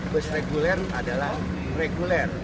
bus reguler adalah reguler